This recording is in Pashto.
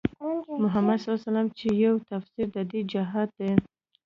محمدص چې يو تفسير د دې جهان دی